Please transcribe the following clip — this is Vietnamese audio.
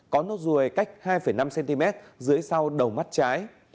có nốt ruồi cách hai năm cm dưới sau đầu mắt trái